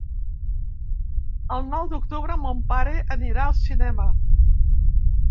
El nou d'octubre mon pare anirà al cinema.